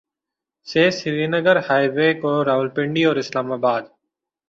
سے Srinagar highway کو راولپنڈی اور اسلام آباد